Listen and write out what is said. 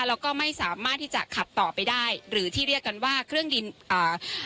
แล้วก็ไม่สามารถที่จะขับต่อไปได้หรือที่เรียกกันว่าเครื่องบินอ่า